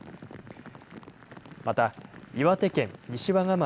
また岩手県西和賀町